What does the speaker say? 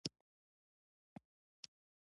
د افغانستان جلکو د افغانستان د سیلګرۍ برخه ده.